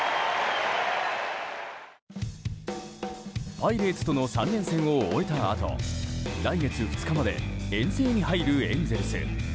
パイレーツとの３連戦を終えたあと来月２日まで遠征に入るエンゼルス。